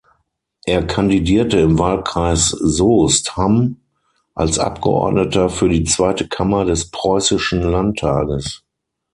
Er kandidierte im Wahlkreis Soest–Hamm als Abgeordneter für die Zweite Kammer des Preußischen Landtages.